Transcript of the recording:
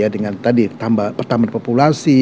dengan tadi pertama populasi